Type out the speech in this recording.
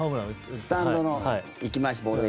スタンドの行きました、ボールが。